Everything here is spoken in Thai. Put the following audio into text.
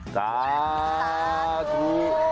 สาธุ